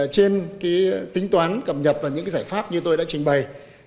trên tính toán cập nhật và những giải pháp như tôi đã trình bày